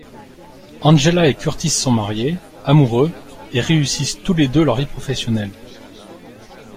Angela et Curtis sont mariés, amoureux et réussissent tous les deux leur vie professionnelle.